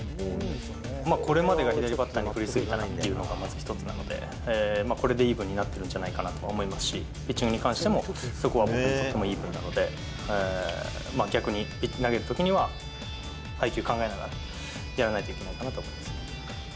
これまでが左バッターに不利すぎたっていうのがまず一つなので、これでイーブンになったんじゃないかなと思いますし、ピッチングに関しても、そこは僕にとってもイーブンなので、逆に、投げるときには配球考えながらやらないといけないかなと思います。